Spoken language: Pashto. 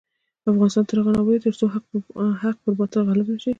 افغانستان تر هغو نه ابادیږي، ترڅو حق پر باطل غالب نشي.